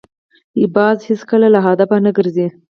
باز هېڅکله له هدفه نه ګرځي